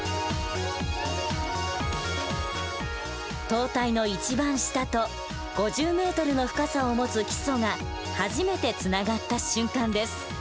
塔体の一番下と５０ｍの深さを持つ基礎が初めてつながった瞬間です。